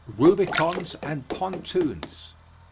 RUBICONS AND PONTOONS.